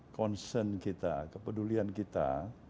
concern kita kepedulian kita